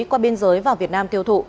qua biên giới vào việt nam tiêu thụ